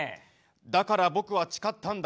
だから僕は誓ったんだ。